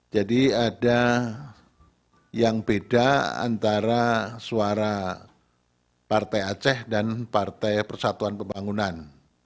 jadi ada yang beda antara suara partai aceh dan partai persatuan pembangunan